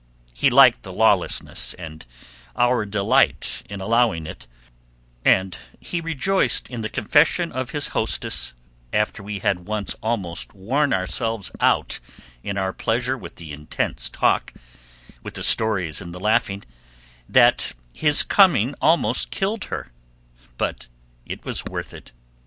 He liked the lawlessness and our delight in allowing it, and he rejoiced in the confession of his hostess, after we had once almost worn ourselves out in our pleasure with the intense talk, with the stories and the laughing, that his coming almost killed her, but it was worth it.